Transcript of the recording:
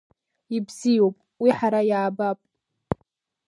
Ибзиоуп, уи ҳара иаабап.